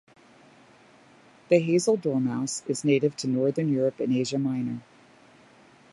The hazel dormouse is native to northern Europe and Asia Minor.